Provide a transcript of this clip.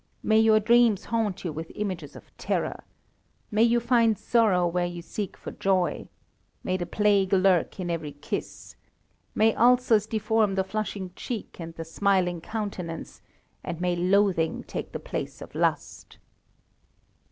May your dreams haunt you with images of terror. May you find sorrow where you seek for joy. May the plague lurk in every kiss. May ulcers deform the flushing cheek and the smiling countenance, and may loathing take the place of lust."